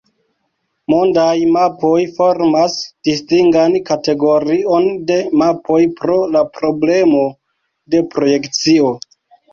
Mondaj mapoj formas distingan kategorion de mapoj pro la problemo de projekcio.